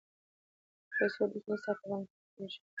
د پیسو دقیق حساب په بانک کې ساتل کیږي.